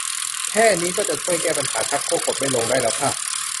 แค่นี้ก็จะช่วยแก้ปัญหาชักโครกกดไม่ลงได้แล้วค่ะ